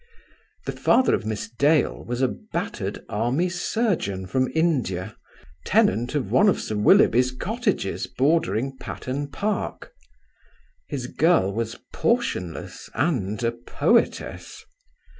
The father of Miss Dale was a battered army surgeon from India, tenant of one of Sir Willoughby's cottages bordering Patterne Park. His girl was portionless and a poetess.